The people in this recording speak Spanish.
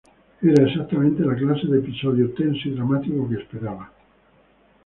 Era exactamente la clase de episodio tenso y dramático que esperaba".